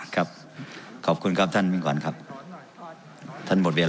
ครับขอบคุณครับท่านมิ่งขวัญครับท่านบทเรียน